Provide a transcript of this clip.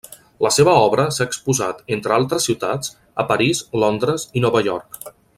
La seva obra s’ha exposat, entre altres ciutats, a París, Londres i Nova York.